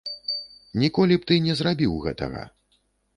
Ніколі б ты не зрабіў гэтага.